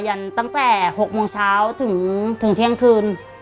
ตั้งแต่๖โมงเช้าถึงเที่ยงคืน